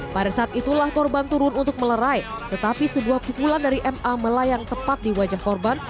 pada saat itulah korban turun untuk melerai tetapi sebuah pukulan dari ma melayang tepat di wajah korban